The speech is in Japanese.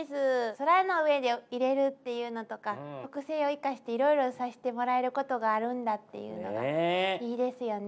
空の上でいれるっていうのとか特性を生かしていろいろさしてもらえることがあるんだっていうのがいいですよね。